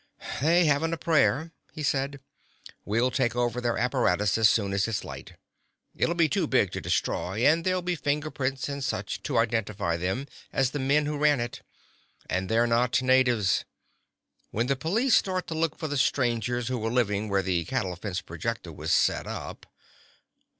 "They haven't a prayer," he said. "We'll take over their apparatus as soon as it's light. It'll be too big to destroy, and there'll be fingerprints and such to identify them as the men who ran it. And they're not natives. When the police start to look for the strangers who were living where the cattle fence projector was set up....